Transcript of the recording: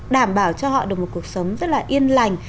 đảm bảo cho họ được một cuộc sống rất là yên lành